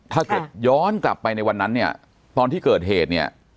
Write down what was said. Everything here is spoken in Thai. ถ้าเกิดย้อนกลับไปในวันนั้นเนี่ยตอนที่เกิดเหตุเนี่ย